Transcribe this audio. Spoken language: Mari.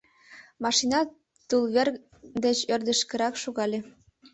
Машина тулвер деч ӧрдыжкырак шогале.